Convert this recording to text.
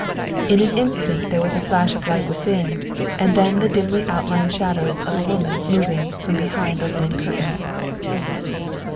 In an instant there was a flash of light within, and then the dimly outlined shadows of a woman moving from behind the linen curtains.